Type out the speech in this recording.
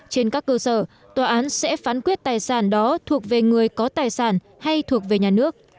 trên các cơ sở tòa án sẽ phán quyết tài sản đó thuộc về người có tài sản hay thuộc về nhà nước